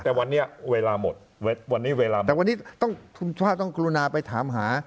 แต่วันนี้เวลาหมดวันนี้เวลาหมดแต่วันนี้ต้องคุณชาติต้องกรุณาไปถามหา